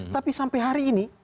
tapi sampai hari ini